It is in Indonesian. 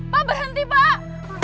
pak berhenti pak